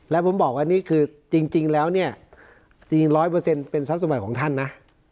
แล้วผมบอกว่านี่คือจริงแล้วเนี่ยจริง๑๐๐เป็นทรัพย์สมัยของท่านนะ